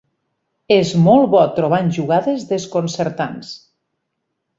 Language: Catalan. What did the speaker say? És molt bo trobant jugades desconcertants.